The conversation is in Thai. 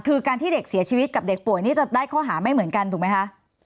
คือการที่เด็กเสียชีวิตกับเด็กป่วยนี่จะได้ข้อหาไม่เหมือนกันถูกไหมคะ